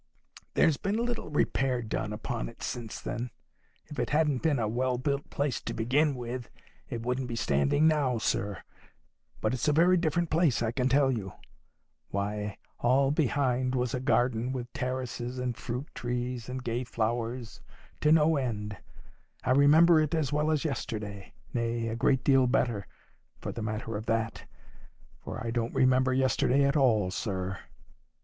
There's been little repair done upon it since then. If it hadn't been a well built place to begin with, it wouldn't be standing now, sir. But it's a very different place, I can tell you. Why, all behind was a garden with terraces, and fruit trees, and gay flowers, to no end. I remember it as well as yesterday; nay, a great deal better, for the matter of that. For I don't remember yesterday at all, sir."